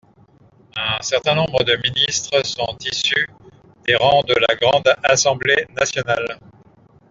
Un certain nombre de ministres sont issus des rangs de la Grande Assemblée nationale.